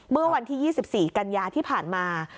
เมื่อวันที่๒๔กันยาที่ผ่านมา